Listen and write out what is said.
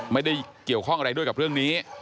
ไม่ได้เกี่ยวข้องอะไรด้วยกับเรื่องนี้